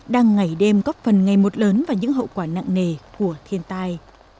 đang ngày đêm góp phần ngày một lớn vào những hậu quả nặng nề của thiên tai